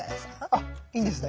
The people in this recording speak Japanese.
あっいいんですね？